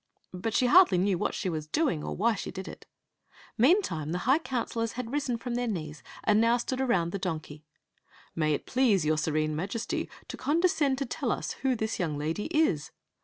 But she hardly knew what she was doing or why she did it Meantime the high counselors had risen from their knees and now stood around the donkey. " May it please your Serene Majesty to condescend to tell us who this young lady is